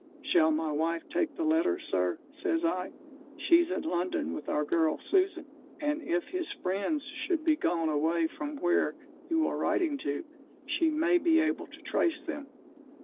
"Shall my wife take the letter, Sir?" says I. "She's in London with our girl, Susan; and, if his friends should be gone away from where you are writing to, she may be able to trace them."